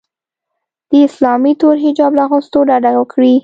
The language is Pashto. د اسلامي تور حجاب له اغوستلو ډډه وکړي